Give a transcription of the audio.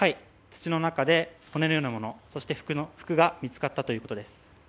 土の中で骨のようなものそして服が見つかったということです。